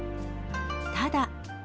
ただ。